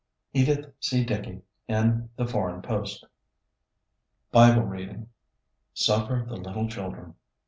(Edith C. Dickie in The Foreign Post.) BIBLE READING "Suffer the little children."